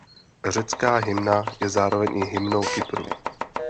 Řecká hymna je zároveň i hymnou Kypru.